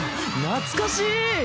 懐かしい。